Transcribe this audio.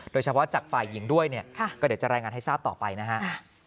โดยเฉพาะจากฝ่ายหญิงด้วยเนี่ยก็เดี๋ยวจะรายงานให้ทราบต่อไปนะฮะ